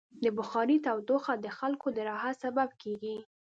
د بخارۍ تودوخه د خلکو د راحت سبب کېږي.